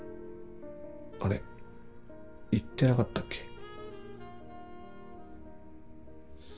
あれ言ってなかったっけ？